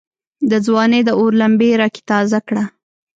دځوانۍ داور لمبي را کې تازه کړه